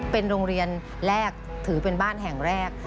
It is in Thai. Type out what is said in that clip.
เป็นโรงเรียนแรกถือเป็นบ้านแห่งแรก